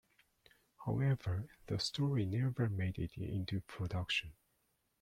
However, the story never made it into production.